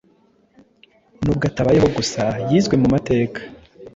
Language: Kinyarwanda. Nubwo atabayeho gusa yizwe ,mumateka